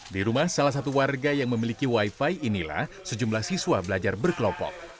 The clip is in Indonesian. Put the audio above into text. di rumah salah satu warga yang memiliki wifi inilah sejumlah siswa belajar berkelompok